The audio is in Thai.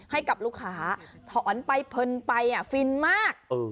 ให้กับลูกค้าถอนไปเพลินไปฟินมาก